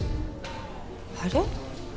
あれ？